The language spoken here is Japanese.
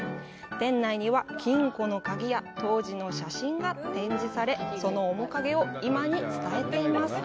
店内には金庫の鍵や当時の写真が展示され、その面影を今に伝えています。